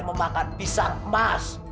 memakan pisang emas